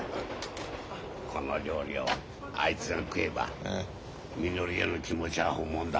この料理をあいつが食えばみのりへの気持ちは本物だ。